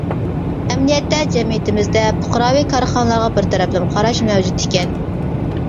ئەمەلىيەتتە جەمئىيىتىمىزدە پۇقراۋى كارخانىلارغا بىر تەرەپلىمە قاراش مەۋجۇت ئىكەن.